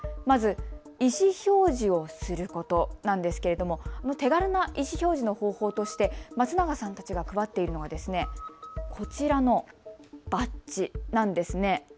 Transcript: まず意思表示をすることなんですけれども、手軽意思表示の方法として松永さんたちが配っているもの、こちらのバッジなんです。